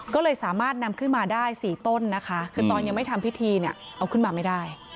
ก็เลยสามารถนำขึ้นมาได้๔ต้นนะคะคือตอนยังไม่ทำพิธีเนี่ยเอาขึ้นมาไม่ได้